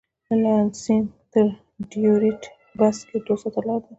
له لانسېنګ تر ډیترویت بس کې دوه ساعته لاره ده.